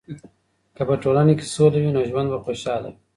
که په ټولنه کې سوله وي، نو ژوند به خوشحاله وي.